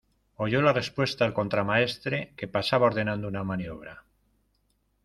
oyó la respuesta el contramaestre, que pasaba ordenando una maniobra